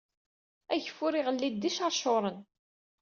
Ageffur, iɣelli-d d iceṛcuṛen.